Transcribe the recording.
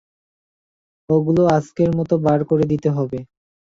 ওগুলো আজকের মতো বার করে দিতে হবে।